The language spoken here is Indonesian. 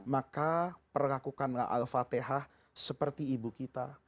maka perlakukanlah al fatihah seperti ibu kita